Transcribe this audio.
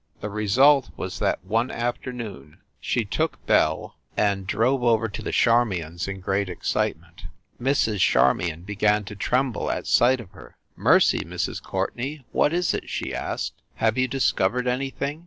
The result was that one afternoon she took Belle and drove over to 336 FIND THE WOMAN the Charmions in great excitement. Mrs. Charmion began to tremble at sight of her. "Mercy, Mrs. Courtenay, what is it?" she asked. "Have you dis covered anything?"